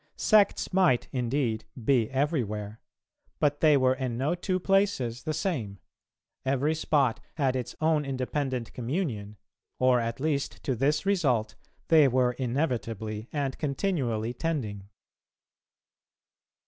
Sects might, indeed, be everywhere, but they were in no two places the same; every spot had its own independent communion, or at least to this result they were inevitably and continually tending.